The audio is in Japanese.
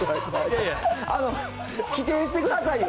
否定してくださいよ。